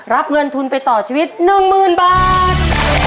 รับเงินทุนไปต่อชีวิต๑๐๐๐บาท